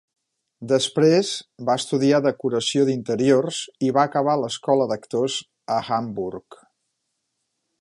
Després, va estudiar decoració d'interiors i va acabar l'escola d'actors a Hamburg.